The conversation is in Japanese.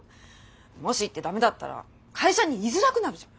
もし言ってダメだったら会社に居づらくなるじゃない。